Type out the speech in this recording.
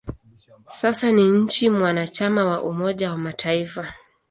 Sasa ni nchi mwanachama wa Umoja wa Mataifa.